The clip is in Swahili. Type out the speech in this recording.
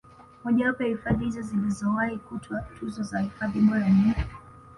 Mojawapo ya hifadhi hizo zilizowahi kutwaa tuzo za hifadhi bora ni